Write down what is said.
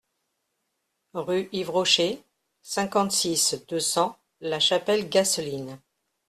Rue Yves Rocher, cinquante-six, deux cents La Chapelle-Gaceline